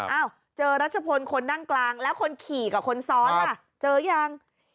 เอ้าเจอรัชพลคนนั่งกลางแล้วคนขี่กับคนซ้อนล่ะเจอยัง